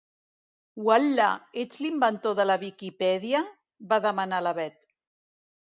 Ual·la, ets l'inventor de la Viquipèdia? —va demanar la Bet.